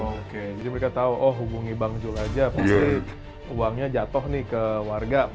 jadi mereka tahu oh hubungi bang jhoel aja pasti uangnya jatuh nih ke warga